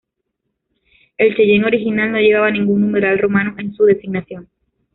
El Cheyenne original no llevaba ningún numeral romano en su designación.